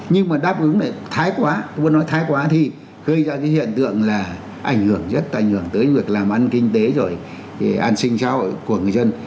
nhưng mà đáp ứng lại thái quá tôi muốn nói thái quá thì gây ra cái hiện tượng là ảnh hưởng rất là ảnh hưởng tới việc làm ăn kinh tế rồi an sinh xã hội của người dân